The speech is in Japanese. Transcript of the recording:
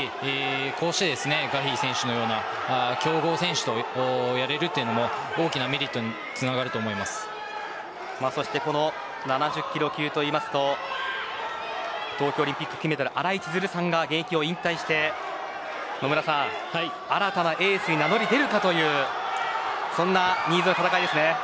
こうして、ガヒー選手のような強豪選手とやれるというのも大きなメリットにそして７０キロ級というと東京オリンピック金メダル新井千鶴さんが現役を引退して新たなエースに名乗り出るかというそんな新添の戦いですね。